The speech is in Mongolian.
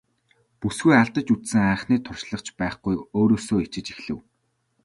Бүсгүй алдаж үзсэн анхны туршлага ч байхгүй өөрөөсөө ичиж эхлэв.